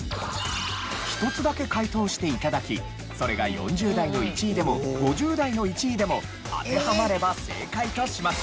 １つだけ解答して頂きそれが４０代の１位でも５０代の１位でも当てはまれば正解とします。